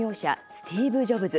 スティーブ・ジョブズ。